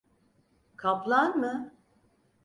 Kaplan mı?